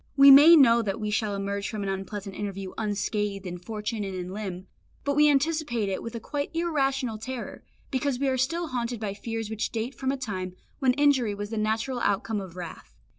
We may know that we shall emerge from an unpleasant interview unscathed in fortune and in limb, but we anticipate it with a quite irrational terror, because we are still haunted by fears which date from a time when injury was the natural outcome of wrath.